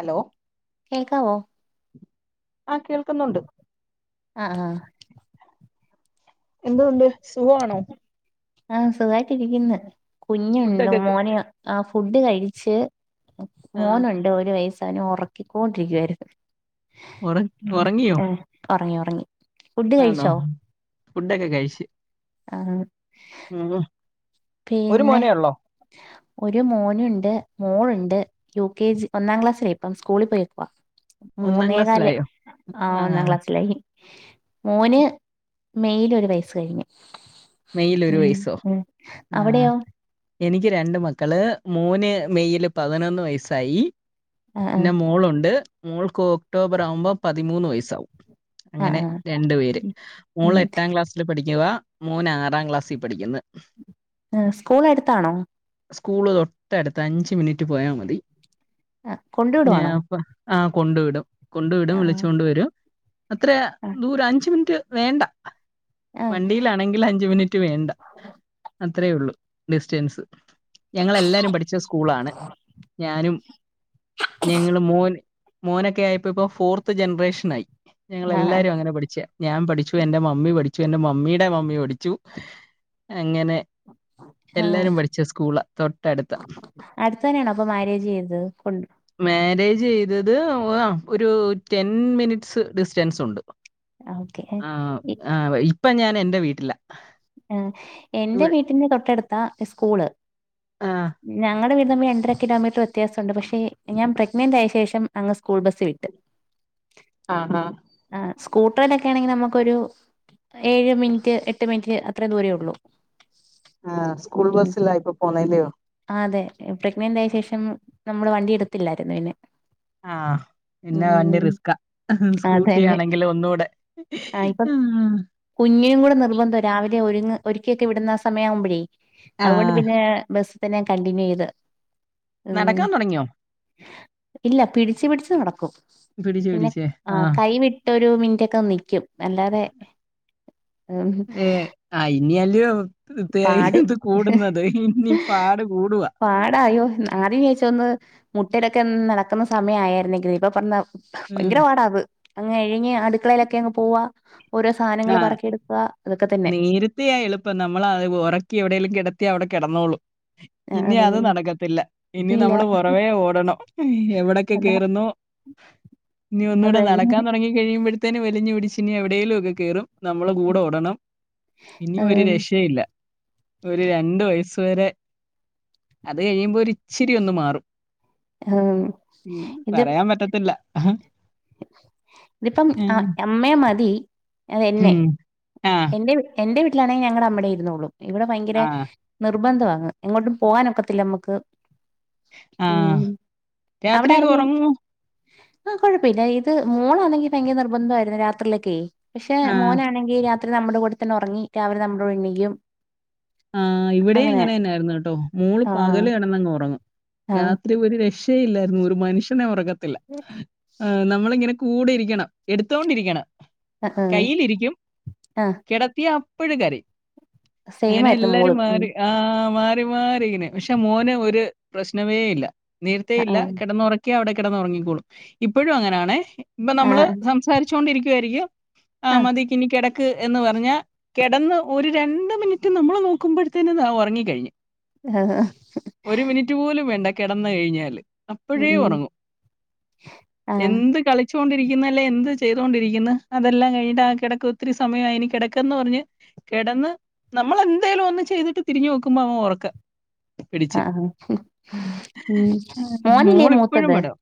Hello? കേക്കാവോ? ആ കേൾക് ആഹ ആഹാ. എന്തോവുണ്ട് സുഖമാണോ? ആഹ സുഖായിട്ടിരിക്കുന്നു. കുഞ്ഞുണ്ട്‌ ഫുഡൊക്കെ മോന് ആ ഫുഡ് കഴിച്ച് ആഹ് മോനുണ്ട് ഒരു വയസവന് ഒറക്കിക്കോണ്ടിരിക്കുവായിരുന്നു. ഒറ ഒറങ്ങിയോ? ഒറങ്ങി ഒറങ്ങി ഫുഡ് കഴിച്ചോ? അ ഫുഡൊക്കെ കഴിച്ച്. ആഹ്. ഉം ഒരു പിന്നെ. മോനേ ഉള്ളോ ഒരു മോനുണ്ട് മോളുണ്ട്. യു കെ ജി ഒന്നാം ക്ലാസ്സിലയിപ്പം സ്കൂളിൽ പോയേക്കുവ. ഒന്നാം മൂന്നേ കാൽ ക്ലാസ്സിലായോ ആ ഒന്നാം ആഹ് ക്ലാസ്സിലായിക്കും. മോന് മെയിൽ ഒരുവയസ്സ് കഴിഞ്ഞു. മെയ്യിൽ ഒരു ഉം വയസ്സോ ഉം ആഹ് അവിടെയോ? എനിക്ക് രണ്ട് മക്കള് മോന് മെയ്യില് പതിനൊന്ന് വയസ്സായി. ആഹ് ആഹ് പിന്നെ മോളുണ്ട് മോൾക്ക് ഒക്ടോബർ ആവുമ്പോ പതിമൂന്ന് വയസ്സാവും. ആഹ് അങ്ങനെ ആഹ് രണ്ടു പേര് ഉം ഉം മോള് എട്ടാം ക്ലാസ്സില് പഠിക്കുവാ മോനാറ് രണ്ടാം ക്ലാസ്സി പഠിക്കുന്ന്. ആ, സ്കൂൾ അടുത്താണോ സ്കൂള് തൊട്ടടുത്ത അഞ്ച് മിനിറ്റ് പോയാമതി. അ. കൊണ്ടുവിടുവാണോ? ആ കൊണ്ടു വിടും. കൊണ്ടു വിടും വിളിച്ചോണ്ട് വരും. അത്ര നൂര അഞ്ച് മിനിറ്റ് വേണ്ട ആഹ ആണെങ്കിൽ അഞ്ച മിനിറ്റ് വേണ്ട അത്രേ ഉള്ളൂ ഡിസ്റ്റൻസ് ഞങ്ങളെല്ലാരും പഠിച്ച സ്കൂളാണ് ഞാനും ഞങ്ങള്ൾ മോന് മോനൊക്കെ ആയപ്പോ ഇപ്പോൊ ഫോർത്ത് ജനറേഷന ആായി ഞങ്ങ ആഹ് എല്ലാരരും അങ്ങനെ പഠിച്ച ഞാൻ പഠിച്ചു എന്റെറെ മമ്മി പഠിച്ചു എന്റെ മമ്മിയ എടെ മമ്മി ഓടിച്ചു അങ്ങനെ ആഹ് എല്ലാരും പഠിച്ച സ്കൂള് തൊട്ടടുത്ത് അടുത്ത് തന്നെയാണോ അപ്പൊ മാരേജ് ചെയ്തത് കൊണ്ട് മാരേജ് ചെയ്തത് ഒരു ടെൻ മിനിറ്റ്സ് ഡിസ്റ്റൻസ് ഉണ്ട് ആ ഓക്കെ ഇപ്പ ഞൻ എൻന്റെ വീട്ടിലില് ആ എന്റെ വീട്ടിന്റെ തൊട്ടടുത്ത സ്കൂള് ആ ഞ ങ്ങളടെ വീ രണ്ടര കിലോമീറ്റർ വ്യത്യാസുണ്ട് പക്ഷ ഞാൻ പ്രഗ്നന്റ് ആയ ശേഷം പം അങ് സ്കൂൾ ബസ് വിട്ട് ആ ആ സ്കൂട്ടറിലൊക്കെ ആണെങ്കിൽ നമുക്കൊരു ഏഴ് മിനിറ്റ് എട്ട് മിനിറ്റ് അത്ര ദൂരേ ഉള്ളു ആ സ്കൂൾ ബസ്സില ഇപ്പൊ പോന്നല്ലയോ പ്രെഗ്നന്റ് ആയ ശേഷം നമ്മള് വണ്ടി എടുത്തില്ലായിരുന്നു പിന്നെ ആഹ പിന്നെ വണ്ടി റിസ്ക അന്നെ ആ ആഹ് കുഞ്ഞിനും കൂടെ നിർബന്ധം രാവില ക്കിയൊക്കെ വിടുന്ന സമയ ആവുമ്പോഴേ അതുകൊണ്ട് ആഹ് പിന്നെ ബ ാൻ കണ്ടിന്യൂ ചെയ്ത് ഉം നടക്കാൻ തുടങ്ങിയോ ഇല്ല പിടിച്ച്ു പിടിച്ച്ു നടക്കും പിടിച്ചേ പിന്നെ പിടിച്ചേ ആ കൈ വിട്ടൊ ഒരു മിനിറ്റ് ഒക്കെ നിക്കും അല്ലാതെ ഉഹ നിിയലിയോ കൃത്തിയായി ഇത് കൂടുന്നത് ഇനി പാട് കൂടുവാ പച്ച ഒന്ന് മുട്ടയിലൊക്കെ നടക്കുന്ന സമയ ആയിരുന്നേങ്ക ഇപ്പ പറഞ്ഞ ഉം ഭയങ്കര പാടാവ അങ്ങങ് എഴിഞ്ഞ് അടുക്കളയിലൊക്കെ അങ്ങ് പോവാ ഓരോ സാനങ്ങള് ആഹ് പറക്കിയെടുക്കുക അതൊക്കെ തന്നെ. നമ്മളാ ഉറക്കി എവിടേലും കെടത്തിയാ അവിടെ കെടന്നോളും. ഇനി ആഹ് അത് നടക്കത്തില്ല. ഇനി ഇല്ല നമ്മള് പൊറവേ ഓടണം. എവിടെക്കെ അതാ കേറുന്നു. ഇഞ്ഞ് അത് ഒന്നൂടെ തന്നെ നടക്കാൻ തൊടങ്ങി കഴിയുമ്പോഴ്ത്തേന് വലിഞ്ഞു പിടിച്ച് ഇനി എവിടേലും ഒക്കെ കേറും. നമ്മളും കൂടെ ഓടണം. ഇനി ഒരു ആഹ് രക്ഷയില്ല. ഒരു രണ്ട് വയസ്സ് വരെ അത് കഴിയുമ്പോ ഒര് ഇച്ചിരി ഒന്ന് മാറും. ആഹ് ഉം ഇത് പറയാൻ പറ്റത്തില്ല. ഇതിപ്പം ആ എമ്മേ മതി. അതെന്നെ ഉം. ആഹ് എന്റെ എന്റെ വീട്ടിലാണെങ്കിൽ ഞങ്ങളുടെ അമ്മേടെ ഇരുന്നോളും. ഇവിടെ ഭയങ്കര ആഹ് നിർബന്ധമാന്ന്. എങ്ങോട്ടും പോകാനൊക്കത്തില്ല നമ്മക്ക്. ആഹ് ഉം അവിടെ രാത്രിയൊക്കെ ഇറങ്ങൻ ഉറങ്ങോ? പ്പോ കൊഴപ്പമില്ല. ഇത് മോളാന്നെങ്കി ഭയങ്കര നിർബന്ധമായിരുന്നേ രാത്രിയിലൊക്കെ പശേ ആഹ് മോനാണെങ്കി രാത്രി നമ്മടെ കൂടെ തന്നെ ഒറങ്ങി രാവിലെ നമ്മുടെണീക്കും. ആ ഇവിടെ അങ്ങനെ തന്നായിരുന്നു ട്ടോ. മോള് ആ പകല് കെടന്നങ്ങ് ഒറങ്ങും. ആ രാത്രി ഒരു രക്ഷ ഇല്ലായ്രുന്നു. ഒരു മനുഷ്യനെ ഒറക്കത്തില്ല. നമ്മളിങ്ങനെ കൂടെ ഇരിക്കണം. എടുത്തോണ്ടിരിക്കണം. ആ കയ്യിലിരിക്കും ആ ആ. കെടത്തിയ അപ്പോഴ് കരയും. സെയിം അങ്ങനെ ആയിരുന്നു എല്ലാരും മോളും ഉം മാറി ആ മാറി മാറിങ്ങനെ. പക്ഷെ മോന് ഒരു പ്രശ്നവേ ഇല്ല. നേരത്തേ ആ ഇല്ല കിടന്നുറക്കിയ അവിടെ കിടന്നു ഉറങ്ങിക്കോളും ഇപ്പോഴും അങ്ങനാണ് ഇപ്പൊ ആ നമ്മള് സംസാരിച്ചോണ്ടിരിക്കുവായിരിക്കും ആ മതിക്ക് ഇനി കിടക്ക ക്ക് എന്ന് പറഞ്ഞാൽ കിടന്ന് ഒരു രണ്ട് മിനിറ്റ് നമ്മള് നോക്കുമ്പോഴുത്തേനും ഉറങ്ങി കഴിഞ്ഞു ഒരു മിനിറ്റ് പോലും വേണ്ട കിടന്നു കഴിഞ്ഞാല് ഉം അപ്പോഴേ ഉം. ഉറങ്ങും ആ എന്ത് കളിച്ച വോണ്ടിരിക്കുന്ന അല്ലെ എന്ത് ചെയ്തൊണ്ടിരിക്കുന്ന് അതെല്ലാം കഴിഞ്ഞട്ട് ആ കിടക്ക് ഒത്തിരി സമയമായി അയിന് കിടക്കന്ന് പറഞ്ഞ് കിടന്ന് നമ്മൾ എന്തേലും ഒന്ന് ചെയ്തിട്ട് തിരിഞ്ഞു നോക്കുമ്പോ അവൻ ഉറക്ക ആ പിടിച്ച് ആ. ഉം മോനല്ലേ മോളിപ്പഴും മൂത്തത് പെടും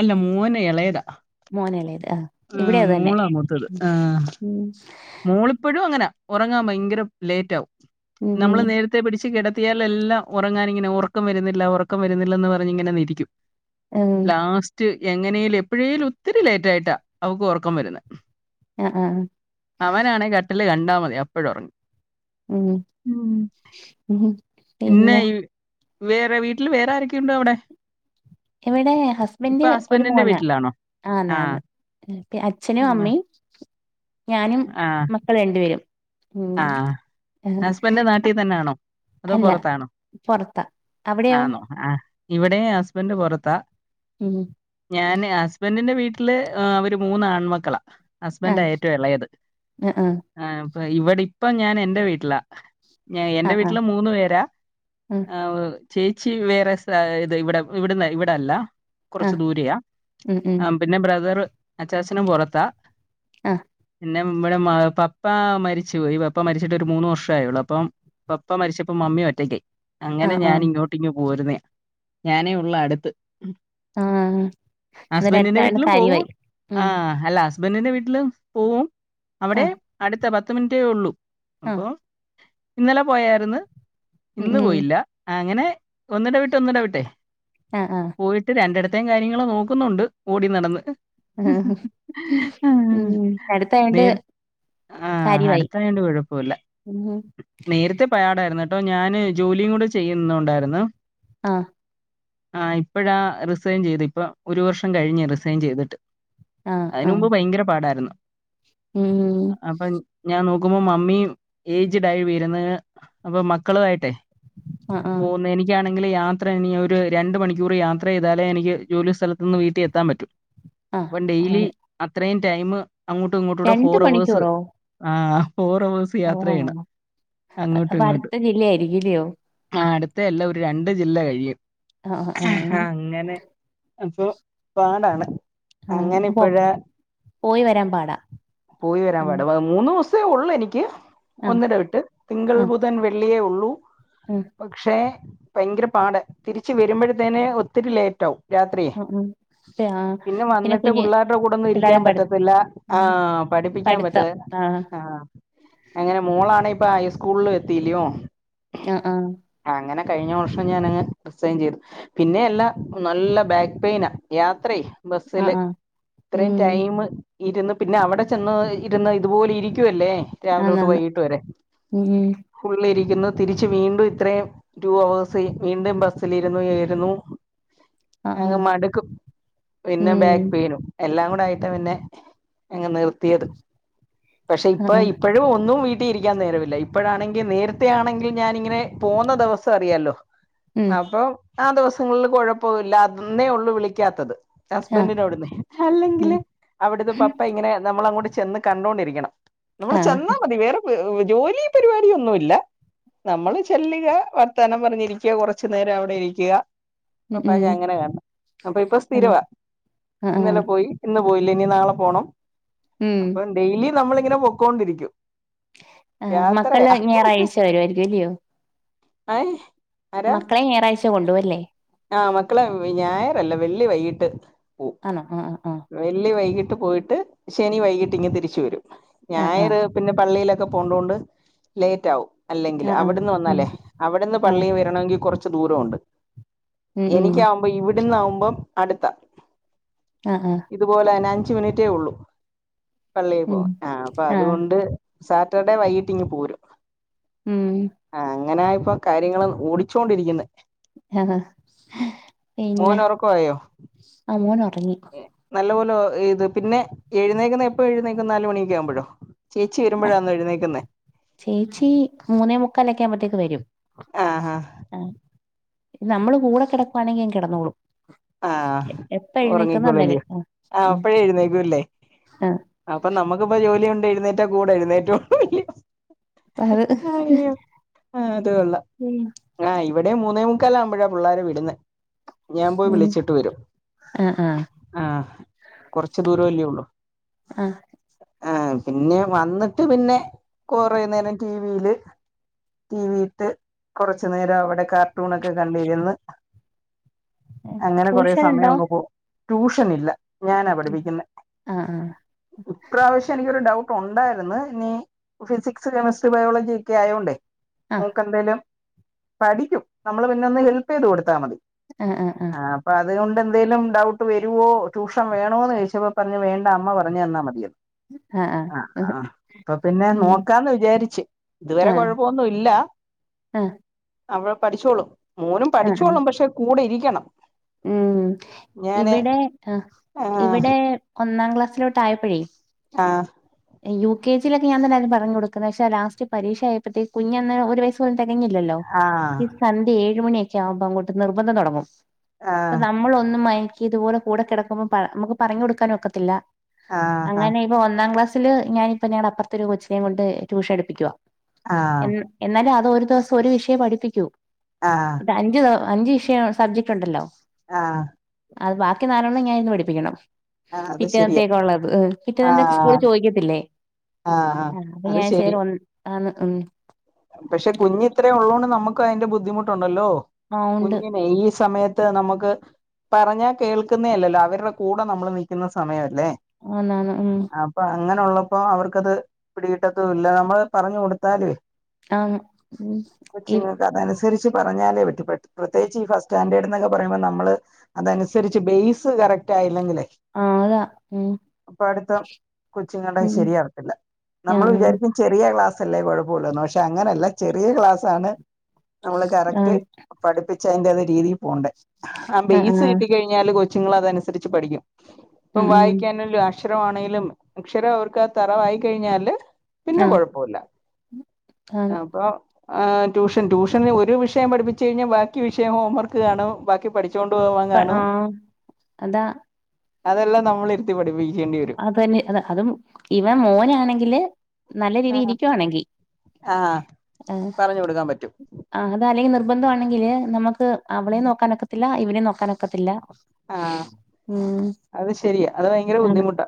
അല്ല മോനേ ഇളയതാ മോനല്ലേത് ആ ഇവിടെ ആഹ് അത് തന്നെ മോളാ മൂത്തത് ആഹ് ഉം മോളിപ്പോഴും അങ്ങനാ ഉറങ്ങാൻ ഭയങ്കര ലേറ്റ് ആകും ഉം നമ്മള് ഉം നേരത്തെ പിടിച്ചു കി ത്തിയായെല്ലാം ഉറങ്ങാൻ ഇങ്ങനെ ഉറക്കം വരുന്നില്ല ഉറക്കം വരുന്നില്ലന്ന് പറഞ്ഞ് ഇങ്ങനെ ഇരിക്കും ഉം. ലാസ്റ്റ് എങ്ങനേലും എപ്പോഴേലും ഒത്തിരി ലേറ്റ് ആയിട്ടാ അവക്ക് ഉറക്കം വരുന്നേ ആഹ് ആഹ് അവനാണെ കട്ടില് കണ്ടാൽ മതി അപ്പൊഴേ ഉറങ്ങും ഉം ഉം. പിന്നെ വേറെ വീട്ടില് വേറെ ആരൊക്കെയുണ്ട് അവിടെ ഇവിടെ ഇപ്പൊ ഹസ്ബൻ്റ് ഒരു ഹസ്ബൻഡിന്റെ മോനാ വീട്ടിലാണോ ആ ആന്നാന്ന് അച്ഛനും ആ അമ്മയും ഞാനും ആ മക്കള് രണ്ട് പേരും ഉം ആ, ഹസ്ബൻ്റ് നാട്ടിൽ തന്നാണോ അതോ അല്ല പുറത്താണോ പൊറത്താ അവിടെയോ ആണോ ആഹ് ഇവിടെം ഹസ്ബൻ്റ് പുറത്താ ഉം ഞാന് ഹസ്ബന്റിന്റെ വീട്ടി വീട്ടില് അവര് മൂന്ന് ആൺമക്കളാ ഹസ്ബൻ്റാ ആഹ് ഏറ്റവും ഇളയത് ആഹ് ഇവിടെ ഇപ്പം ഞാൻ എൻ്റെ വീട്ടിലാ ഞാ എന്റെ ആഹ് ആഹ് വീട്ടില് മൂന്നു പേരാ ഉം ആഹ് ചേച്ചി വേറെ സ് ഇത് ഇവിടെ ഇവിടന്ന് ഇവിടല്ല കുറച്ച് ആഹ് ദൂരയാ. ഉം ഉം ആഹ് പിന്നെ ബ്രദറ് അച്ഛാച്ചനും പൊറത്താ. ആഹ് പിന്നെ മ്മടെ പപ്പ മരിച് ചു പോയി. പപ്പ മരിച്ചിട്ട് ഒരു മൂന്ന് വർഷം ആയുള്ളൂ അപ്പം പപ്പ മരിച്ചപ്പോ മമ്മിയ ഒറ്റയ്ക്കായി. അങ്ങനെ ആഹ് ഞാാന ആഹ് ഇങ്ങോട്ടിങ്ങ് പോരുന്നെയാ. ഞാനേ ഉള്ളൂ അടുത്ത്. ആഹ് അന്നേരം ഹസ്ബൻഡിന്റെ അടുത്താളുടെ വീട്ടിലും പോകും കാര്യമായി ആ ഉം അല്ല ഹസ്ബൻഡിന്റെ വീട്ടിലെ പോവും അവിടെ ആഹ് അടുത്ത പത്ത് മിനിറ്റേ ഉള്ളൂ ആഹ് അപ്പോ ഇന്നലെ പോയാര്ന്നു ഉം ഇന്ന് ഉം പോയില്ല അങ്ങനെ ഒന്നിടെ വിട്ട് ഒന്നിടെ വീട്ടെ ആഹ് ആഹ് പോയിട്ട് രണ്ടിട ത്തേം കാര്യങ്ങളൾ നോക്കുന്നുണ്ട് ഓടി നടന്ന് ആഹ് ആഹ് ഉം അടുത്തായൊണ്ട് ആ് അടുത്തായോണ്ട് കുഴപ്പോല്ല നേരത്തെ പാടാ ര്ന്നു കേട്ടോ ഞാന് ജോലിയും കൂടെ ചെയ്യുന്നണ്ടായിരുന്നു ആഹ് ആ ഇപ്പഴാ റിസൈൻ ചെയ്ത് ഇപ്പൊ ഒരു വർഷം കഴിഞ്ഞു റിസൈൻ ചെയ്തിട്ട് ആഹ് ആഹ് അതിനുമ്പ് ഭയങ്കര പാടായിരുന്നു ഉം അപ്പൊ ഞാൻ നോക്കുമ്പോ മമ്മീ ഏജ്ഡായി വര്ന്ന് അപ്പൊ മക്കളുവായിട്ടെ ആഹ് പോന്ന് എനിക്കാണെ ങ്കില് യാത്ര ഇനി ഒരു രണ്ട് മണിക്കൂർ യാത്രെയ്താല എനിക്ക് ജോലി സ്ഥലത്ത്ന്ന് വീട്ടിൽ എത്താൻ പറ്റു ആഹ് അപ്പം ഡെയ്ലി ആഹ് അത്രയും ടൈം അങ്ങോട്ടും ഇങ്ങോട്ടൂടെ രണ്ട് ഫോർ അവേഴ്സ് മണിക്കൂറോ ആഹ് ഫോർ അവേഴ്സ് ഓഹ് യാത്രെയ്യണം അങ്ങോട്ട് അപ്പൊ ഇങ്ങോട്ട് അടുത്ത ജില്ലയായിരിക്കുംല്ലയോ ആ അടു ത്തല്ല ഒരു രണ്ട് ജില്ല കഴിയും ആഹ് ആഹ് അങ്ങനെ അപ്പൊ പാടാണ് ആഹ് അങ്ങനെ അപ്പൊ ഇപ്പഴാ പോയി വരാൻ പാടാ പോയി വരാൻ ഉം പാ ട മൂന്നൂസേ ഒള്ളു എനിക്ക് ആഹ് ഒന്നിട വിട്ട് തിങ്കൾ ആഹ് ബുധൻ വെള്ളിയേ ഒള്ളൂ ഉം പക്ഷെ ഭയ്ങ്കര പാട തിരിച്ച് വരുമ്പഴ്ത്തേന് ഒത്തിരി ലേറ്റാവും രാത്രിയെ ഉം ഉം ആഹ് പിന്നെ വന്നിട്ട് കുഞ്ഞ് പുള്ളാര്ട കൂടൊന്നും ഇരിക്കാൻ പിള്ളേരെ പഠി പറ്റത്തില്ല ആ പഠിപ്പിക്കാൻ പറ്റ് ത്ത് ആഹ് അങ്ങനെ മോളാണേ ഇപ്പ ഹൈസ്കൂൾലും എത്തീലിയോ ആഹ് ആഹ് കഴിഞ്ഞ വർഷം ഞനങ് റിസൈൻ ചെയ്തു പിന്നെ എല്ല നല്ല ബാക്ക് പെയിനാ യാത് ത്രേ ആഹ് ബസ്സില് ആഹ് ഇത്രയും ഉം ടൈം ഇരുന്ന് പിന്നെ അവിടെ ചെന്ന് ഇരുന്ന് ഇതുപോലെ ഇരിക്കുവല്ലേ രാവിലൊട്ട് ആന്നാന്ന് വൈകിട്ട് വരെ ഉം ഫുള്ള് ഇരി ക്കുന്നു തിരിച്ച് വീണ്ടും ഇത്രേം ടു അവേഴ്സേ വീണ്ടും ബസ്സലിരുന്നുവരുന്നു ആഹ് അങ് ആഹ് മടുക്കും പിന്നെ ബാക്ക് ഉം പെയിനും എല്ലാം കൂടെ ആയിട്ട് പിന്നെ അങ്ങ് നിർത്തിയത് പക്ഷെ ഇപ്പ ആഹ് ഇപ്പൊഴും ഒന്നും വീ ട്ടി ഇരിക്കാൻ നേരല്ല ഇപ്പഴാണെങ്കി നേരത്തെ ആണെങ്കിൽ ഞാനിങ്ങനെ പോന്ന ദെവസം അറിയാലോ ഉം അപ്പം ആ ദിവസങ്ങൾല് കൊഴപ്പവില്ല അന്നേ ഒള്ളു വിളിക്കാത്തത് ആഹ് ഹസ്ബൻ്റിനോവിടുന്നേ ഉം അല്ലെങ്കില് അവിടത്തെ പപ്പ ഇങ്ങനെ നമ്മളങ്ങോട്ട് ചെന്ന് കണ്ടോണ്ടിരിക്കണം നമ്മള് ആഹ് ചെന്നാ മതി വേറെ പ ജോലി പരിപാടിയൊന്നുല്ല നമ്മള് ചെല്ലിക വർത്താനം പറഞ്ഞിരിക്കു കുർച്ചു നേരം അവിടെ ഇരിക്ക ഉം പപ്പായ ഉം ഞാൻ അങ്ങന കാണണെ അപ്പൊ ഇപ്പൊ ആഹ് സ്ഥിരവാ ആഹ് ആഹ് ഇന്നലെ പോയി ഇന്ന് പോയില്ല ഇനി നാളെ പോണം ഉം അപ്പം ഡെയിലി നമ്മള് ഇങ്ങനെ പൊക്കോണ്ടിരിക്കും ആ മക്കള് യാത്രയാ ഞായറാഴ്ച വരുവായിരിക്കും അല്ലിയോ അയ് മക്കളെ ഞായറാഴ്ച കൊണ്ടോവും അല്ലേ ആഹ് മക്കളെ ഞായറല്ല വെള്ളി വൈകീട്ട് പോം ആണോ ആഹ് ആഹ് വെള്ളി വൈകിട്ട് പോയിട്ട് ശനി വൈകിട്ട് ഇങ്ങ് തിരിച്ച് വരും ആഹ് ഞായറ് പിന്നെ പള്ളിയിലൊ ക്കെ പോണ്ടോണ്ട് ലേറ്റ് ആവും അല്ലെങ്കില് ആഹ് ആഹ് അവിട്ന്ന് ആഹ് ആഹ് ഉം വന്നാലേ അവിടുന്ന് ആഹ് പള്ളി വരണോങ്കി കൊർ ച്ച് ദൂരവുണ്ട് ഉം ഉം എനിക്ക് ആവുമ്പോ ഇവിട്ന്ന ആവുമ്പം അടുത്താ ആഹ് ആഹ് ഇതുപോലെന്നെ അഞ്ച് മിനിറ്റേ ഒള്ളൂ പള്ളിയിൽ ഉം പോവാൻ ആ അപ്പം ആഹ് അതുകൊണ്ട് സാറ്റർഡേ വൈകിട്ട് ഇങ്ങ് പോരും ഉം ആ അങ്ങനെ ഇപ്പം കാര്യങ്ങള് ഓടിച്ചോണ്ടിരിക്കുന്നെ ഹഹ മോൻ ഒറക്കവായോ ആ മോൻ ഉറങ്ങി നല്ലപോ ലോ ഇത് പിന്നെ എഴുന്നേക്കുന്ന എപ്പം എഴുന്നേക്കും നാലുമണിയൊക്കെ ആവുമ്പഴോ ചേച്ചി മൂന്നേ മുക്കാലെക്കെ ആവുമ്പത്തേക്ക് വരും ആഹ് ആഹ് ആ നമ്മള് കൂടെ കിടക്കുവാണെങ്കി അങ്ങ് കെടന്നോളും ആഹ് ഉറങ്ങിക്കോളും അന്നേരം അല്ലിയോ ആ ആഹ് ഉം അപ്പഴേ എഴുന്നേക്കൂല്ലേ ആ അപ്പം നമ്മുക്കിപ്പം ജോലി ഉണ്ട് എഴുന്നേറ്റ കൂടെ എഴുന്നേറ്റോ അപ്പ അത് അയ്യോ ആ അത് കൊള്ളാം ആ ഇവിടെയും മൂത്ത് മൂന്നേ മുക്കാലാവുമ്പഴ പിള്ളാരെ വിടുന്നേ ഞാൻ പോയി ഉം വിളിച്ചിട്ട് വരും ആ ആ ആഹ് കൊറച്ച് ദൂരവല്ലേ ഉള്ളു ആ ആഹ് പിന്നെ വന്നിട്ട് പിന്നെ കൊറേ നേരം ടീവിയില് ടി വിയിട്ട് കൊറച്ച് നേരം അവിടെ കാർട്ടൂണൊക്കെ കണ്ടിരുന്ന് അങ്ങനെ കൊറേ ട്യൂഷൻ സമയം ഉണ്ടോ അങ്ങ് പോ ട്യൂഷൻ ഇല്ല ഞാനാ പഠിപ്പിക്കുന്നെ ആ ആ ഇപ്രാവശ്യം എനിക്കൊരു ഡൗട്ട് ട്ട് ഉണ്ടായിരുന്ന് ഇനി ഫിസിക്സ് കെമിസ്ട്രി ബയോളജി ഒക്കെ ആയോണ്ടേ ആ മോക്കെന്തേലും പഠിക്കും നമ്മള് പിന്നെ ഒന്ന് ഹെൽപ്പെയ്ത് കൊടുത്താ മതി ആ ആ. ആ അപ്പൊ ഉം അതുകൊണ്ടന്തേലും ഡൗട്ട് വരുവോ ട്യൂഷൻ വേണോന്ന് ചോയ്ച്ചപ പറഞ് വേണ് അമ്മ പറഞ്ഞന്നാ മതിയെന്ന്. ആ ആ ഇതുവരെ കുഴപ്പൊന്നുല്ല. മ്. അവ പഠിച്ചോളും മോനും പഠിച്ചോളും പക്ഷെ കൂടെ ഇരിക്കണം. മ് ഞാന് ഇവിടെ ആ ആ ഇവിടെ ഒന്നാം ക്ല ടയ്പെയ് ആ യു കെ ലൊക്കെ ഞാന്നെല്ലാരോടും പറഞ്ഞൊടുക്കുന്ന ശേ ലാസ്റ്റ് പരീക്ഷയപ്പോത്തേക്കും കുഞ്ഞന്ന ഒരു വയസ് തെരങ്ങില്ലല്ലോ ആ ഈ സന്ധ്യ ഏഴു മണിയൊക്കാവുമ്പോ അങ്ങട്ട് നിർബന്ധം തുടങ്ങും. ആ പ്പൊ നമ്മളൊന്നും മയക്കിതുപോലെ കൂടെ കെടക്കുമ്പോ പറ നമ്മക്ക് പറഞ്ഞൊടുക്കാനൊക്കത്തില്ല. ആ ആ അങ്ങനെപ്പൊ ഒന്നാം ക്ലാസ്സില് ഞാനിതന്നെ അപൊർത്തെരു കൊച്ചിനെയും കൊണ്ട് ട്യൂഷൻ എടുപ്പിക്കുവാ ആ എന്ന എന്നാലുതൊരു ദിവസം ഒരു വിഷയം പഠിപ്പിക്കൂ ആഹ് ഇത് അഞ്ച് ദിവ അഞ്ച് വിഷയം സബ്ജക്ടുണ്ടല്ലോ ആ അത് ബാക്കി നാലോണ്ണം ഞാനിന്ന് പഠിപ്പിക്കണം. ആഹ് അത് ശരിയാ പിറ്റേന്ന്ത്തേക്കള്ളത് പിറ്റേന്നേക് സ്കൂളിൽ ആഹ് ചോയ്ക്കത്തില്ലേ ആഹ് ആ ഈ അത് ശരി ആഴ്ചയുള്ളു ഒരു- [unintelligible] പക്ഷെ കുഞ്ഞിത്രേ ഉള്ളോണ്ട് നമ്മക്ക് അയ്ന്റെ ബുദ്ധിമുട്ടുണ്ടല്ലോ ആ ഉണ്ട് കുഞ്ഞിനെ ഈ സമയത്ത് നമക്ക് പറഞ്ഞാ കേൾക്ക്‌ന്നേല്ലല്ലോ അവരുടെ കൂടെ നമ്മൾ നിൽക്കുന്ന സമയ ഓ ആന്നാന്ന് മ് അങ്ങനെള്ളപ്പോ അവർക്കത് പിടികിട്ടത്തുല്ല നമ്മള് പറഞ്ഞൊടുത്താ ആന്ന് മ് ഇ സ്ത്തേരിച്ച് പറഞ്ഞാലേ പറ്റു പ്രത്യേച്ച് ഈ ഫസ് സ്റ്റാൻഡേർഡ്ന്നക്കെ പറയുമ്പോ നമ്മള് അതനുസരിച്ച് ബേസ് കറക്റ്റയില്ലെങ്കിലേ ആ അതാ ഉം അപ്പടുത്ത കൊച്ചിങ്ങള്ടെ ഉം ശരിയാവത്തില്ല ആ നമ്മൾ വിചാരിക്കും ചെറിയ ക്ലാസ് [unintelligible] കൊയപ്പോള്ളൂന്ന് പക്ഷെ അങ്ങനല്ല ചെറിയ ക്ലാസാണ് നമ്മള് കറക്റ്റ് പഠിപ്പി ച്ചയിന്റതേ രീതി പോണ്ടേ ആ ബേസ് കിട്ടി കഴ്ഞ്ഞാല് കൊച്ചുങ്ങൾ അതനുസരിച്ച് പഠിക്കും. ഉം ഇപ്പം ഉം വായിക്കാനുലു അക്ഷരമാണെലും അക്ഷരം അവർക്ക് തറവായിക്കഴിഞ്ഞാല് ആഹ് പിന്നെകൊഴപ്പല്ല കാണും അപ്പൊ ആ ട്യൂഷൻ ട്യൂഷന് ഒരു വിഷയം പഠിപ്പിച്ച് കഴിഞ്ഞാ ബാക്കി വിഷയം ഹോംവർക്ക് കാണും ബാക്കി പഠി ച്ചോണ്ടോവാൻ കാണൂ ആഹ് അതാ അതെല്ലം നമ്മളിരുത്തി പഠിപ്പി അതന്നെ അത അത് ഇവൻ മോനാണെങ്കില് നല്ല രീതി ഇരിക്ക്യണെങ്കി ആ ആ പറഞ്ഞ് കൊടുക്കാൻ പറ്റും ആ അല്ലെങ്കിൽ നിർ നിർബന്ധമാണെങ്കില് നമുക്ക് അവളേയും നോക്കാനൊക്കത്തില്ല ഇവനേം നോക്കാനൊക്കത്തില്ല. ആ ഉം അത് ശരിയാ അത് ഭയങ്കര ആണ് ബുദ്ധിമുട്ടാ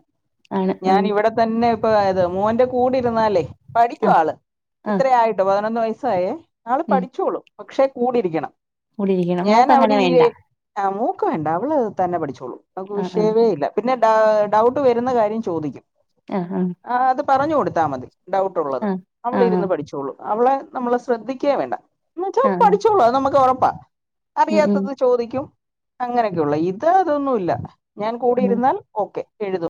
ആണ് ഉം ഞാനിവടെത്തന്നെപ്പൊ ഇത് മോന്റെ കൂടി ര്ന്നാൽ പഠിക്കും ആഹ് ആള് ആഹ് ഇത്രേ ആയിട്ടോ പതിനൊന്ന് വയസ്സായേ ആള് ഉം പഠിച്ചോളും. പക്ഷെ കൂടിരിക്കണം കൂടിയിരിക്കണം മോക്ക് അങ്ങനെ വേണ്ട ഞാനവിടെയെ ആ മോക്ക് വേണ്ട അവള് തന്നെ പഠിച്ചോളും അവൾക്ക് ആഹ് വിഷയമേ ഇല്ല പിന്നെ ഡൗ ഡൗട്ട് വരുന്ന കാര്യം ചോദിക്കും. ആഹ് ആഹ്. ആ അത് പറഞ്ഞു കൊടുത്താ മതി ഡൗട്ട്ള്ളത് ആഹ് ആഹ് ആഹ് അവളിരുന്ന് പഠിചോള്ളൂ അവളെ നമ്മൾ ശ്രദ്ധിക്കേ വേണ്ട. എന്ന്ച്ചാ ആഹ് ആഹ് പഠിച്ചോളൂ നമ്മക്കൊറപ്പാ ഉം ഉം അറിയാത്തത് ചോദിക്കും അങ്ങനെ ള്ളു ഇത് അതൊന്നുല്ല ഞാൻ ഉം കൂടിരുന്നാൽ ഒക്കെ എഴുതും.